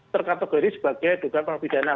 terkategori sebagai dugaan pengkodeatik